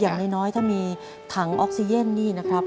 อย่างน้อยถ้ามีถังออกซิเจนนี่นะครับ